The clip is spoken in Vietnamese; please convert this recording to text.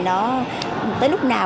nó tới lúc nào